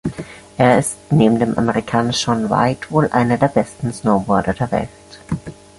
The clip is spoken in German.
Er ist neben dem Amerikaner Shaun White wohl einer der besten Snowboarder der Welt.